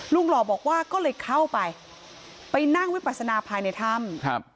หล่อบอกว่าก็เลยเข้าไปไปนั่งวิปัสนาภายในถ้ำครับ